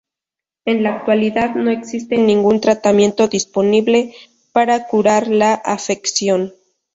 En la actualidad no existe ningún tratamiento disponible para curar la afección.